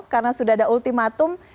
karena sudah ada ultimatum